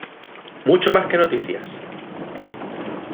Mucho más que noticias.